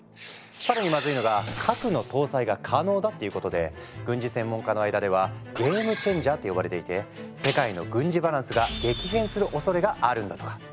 更にまずいのが核の搭載が可能だっていうことで軍事専門家の間では「ゲーム・チェンジャー」って呼ばれていて世界の軍事バランスが激変するおそれがあるんだとか。